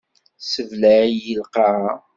Tessebleɛ-iyi lqaɛa.